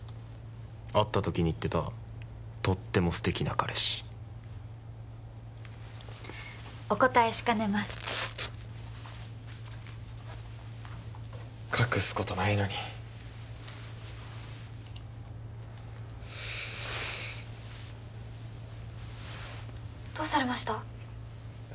会った時に言ってたとっても素敵な彼氏お答えしかねます隠すことないのにどうされました？